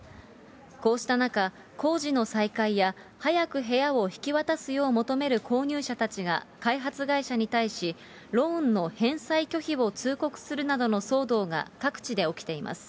こうした中、工事の再開や、早く部屋を引き渡すよう求める購入者たちが、開発会社に対し、ローンの返済拒否を通告するなどの騒動が各地で起きています。